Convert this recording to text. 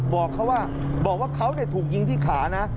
บอกเขาว่าเขาถูกยิงที่ขานะ